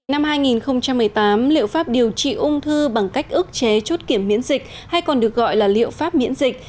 năm hai nghìn một mươi tám liệu pháp điều trị ung thư bằng cách ước chế chốt kiểm miễn dịch hay còn được gọi là liệu pháp miễn dịch